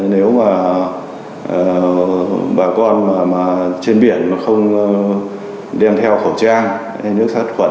nếu mà bà con trên biển nó không đem theo khẩu trang hay nước sát khuẩn